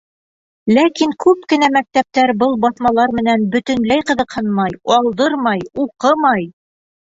Ләкин күп кенә мәктәптәр был баҫмалар менән бөтөнләй ҡыҙыҡһынмай, алдырмай, уҡымай.